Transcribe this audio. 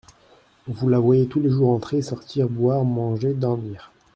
Vous la voyez tous les jours entrer, sortir, boire, manger, dormir.